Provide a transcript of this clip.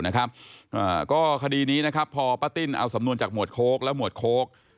ก็คดีนี้นะครับพอป้าติ้นเอาสำนวนจากหมวดโค้กและหมวดโค้ก